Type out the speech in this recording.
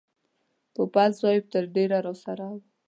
پوپل صاحب تر ډېره راسره و.